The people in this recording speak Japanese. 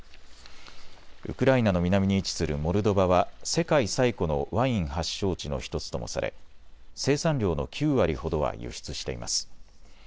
ウクライナの南に位置するモルドバは世界最古のワイン発祥地の１つともされ生産量の９割ほどは輸出しています。